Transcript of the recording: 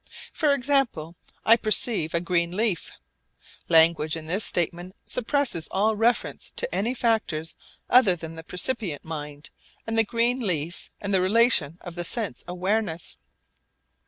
For example, I perceive a green leaf. Language in this statement suppresses all reference to any factors other than the percipient mind and the green leaf and the relation of sense awareness.